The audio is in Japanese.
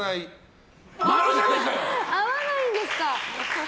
合わないんですか！